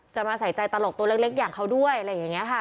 มาใส่ใจตลกตัวเล็กอย่างเขาด้วยอะไรอย่างนี้ค่ะ